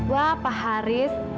wah pak haris